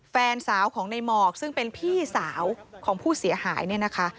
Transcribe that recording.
แฟนสาวของในหมอกซึ่งเป็นพี่สาวของผู้เสียหายเนี่ยนะคะ